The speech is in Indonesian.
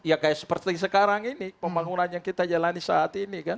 ya kayak seperti sekarang ini pembangunan yang kita jalani saat ini kan